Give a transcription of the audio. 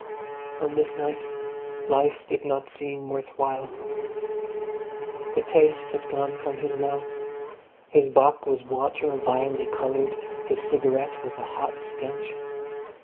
On this night life did not seem worth while. The taste had gone from his mouth; his bock was water vilely coloured; his cigarette was a hot stench.